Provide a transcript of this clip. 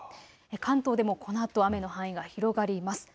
関東でもこのあと雨の範囲が広がります。